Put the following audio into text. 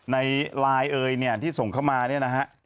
ในไลน์เอ่ยเนี่ยที่ส่งเข้ามาเนี่ยนะฮะ